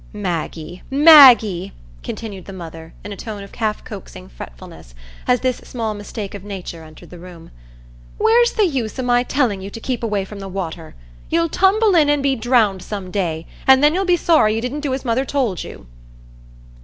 Maggie, Maggie," continued the mother, in a tone of half coaxing fretfulness, as this small mistake of nature entered the room, "where's the use o' my telling you to keep away from the water? You'll tumble in and be drownded some day, an' then you'll be sorry you didn't do as mother told you."